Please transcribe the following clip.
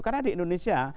karena di indonesia